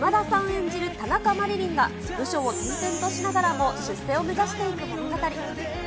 演じる田中麻理鈴が部署を転々としながらも、出世を目指していく物語。